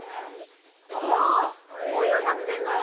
あこういう作戦があるんですね。